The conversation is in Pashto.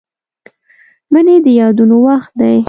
منی د یادونو وخت دی